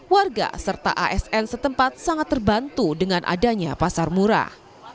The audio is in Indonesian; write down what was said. warga serta asn setempat sangat terbantu dengan adanya pasar murah